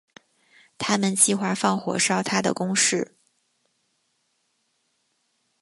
他们计划放火烧他的宫室。